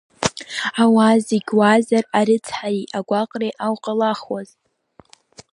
Ауаа зегьы уаазар, арыцҳареи агәаҟреи ауҟалахуаз!